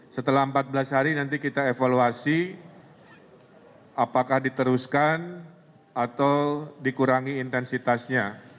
setelah empat belas hari nanti kita evaluasi apakah diteruskan atau dikurangi intensitasnya